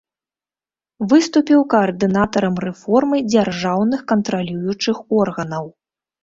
Выступіў каардынатарам рэформы дзяржаўных кантралюючых органаў.